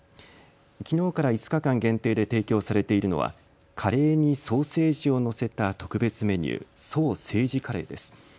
きのうから５日間限定で提供されているのはカレーにソーセージを載せた特別メニュー、そう、政治カレーです。